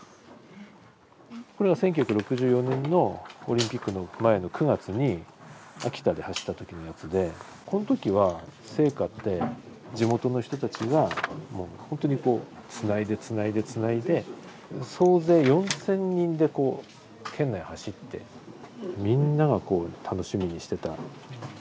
これは１９６４年のオリンピックの前の９月に秋田で走った時のやつでこんときは聖火って地元の人たちがほんとにこうつないでつないでつないで総勢４，０００人でこう県内走ってみんながこう楽しみにしてた。